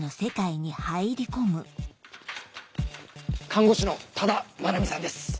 看護師の多田真奈美さんです